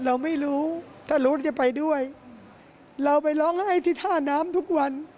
เราไม่รู้ถ้ารู้จะไปด้วยเราไปร้องไห้ที่ท่าน้ำทุกวัน